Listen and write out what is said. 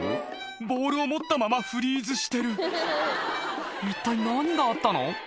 ボールを持ったままフリーズしてる一体何があったの？